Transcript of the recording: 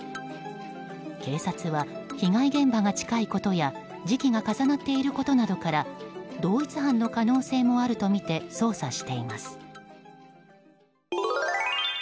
警察は、被害現場が近いことや時期が重なっていることなどから同一犯の可能性もあるとみて捜査しています。